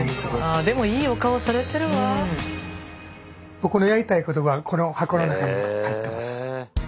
僕のやりたいことはこの箱の中に入ってます。